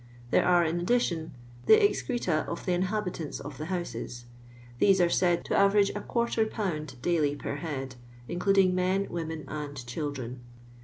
There are, in addition, the excreta of the inhabitants of the houses. These are said to average i lb. daily per head, including men, women, and children.